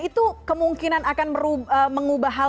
itu kemungkinan akan mengubah hal